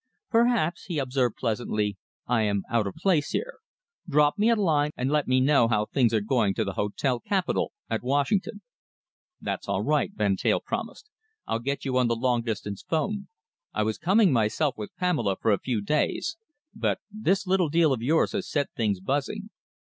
"Perhaps," he observed pleasantly, "I am out of place here. Drop me a line and let me know how things are going to the Hotel Capitol at Washington." "That's all right," Van Teyl promised. "I'll get you on the long distance 'phone. I was coming myself with Pamela for a few days, but this little deal of yours has set things buzzing....